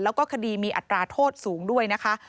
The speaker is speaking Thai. แล้วก็คดีมีอัตราโทษสูงด้วยนะคะ